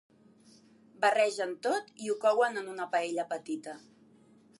Barregen tot i ho couen en una paella petita.